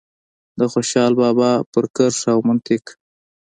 د خوشال بابا په کرښه او منطق.